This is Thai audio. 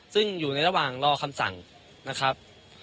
ซึ่งอยู่ในระหว่างรอคำสั่งนะครับ